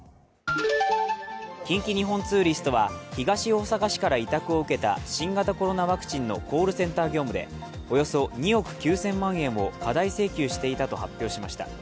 近畿日本ツーリストは東大阪市から委託を受けた新型コロナワクチンのコールセンター業務で、およそ２億９０００万円を過大請求していたと発表しました。